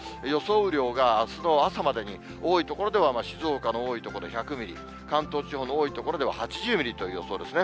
雨量があすの朝までに、多い所では、静岡の多い所で１００ミリ、関東地方の多い所では８０ミリという予想ですね。